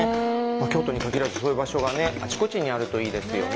京都に限らずそういう場所があちこちにあるといいですよね。